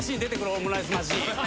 オムライスマシン